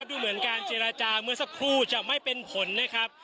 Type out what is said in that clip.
ดูเหมือนการเจรจาเมื่อสักครู่จะไม่เป็นผลนะครับ